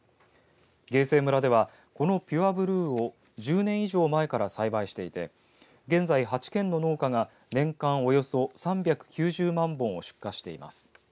芸西村では、このピュアブルーを１０年以上前から栽培していて現在８軒の農家が年間およそ３９０万本を出荷しています。